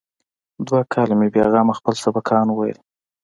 دوه کاله مې بې غمه خپل سبقان وويل.